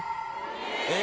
［えっ？］